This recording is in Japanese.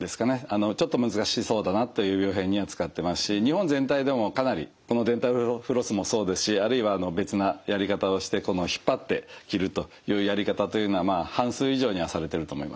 ちょっと難しそうだなという病変には使ってますし日本全体でもかなりこのデンタルフロスもそうですしあるいは別なやり方をして引っ張って切るというやり方というのは半数以上にはされてると思いますね。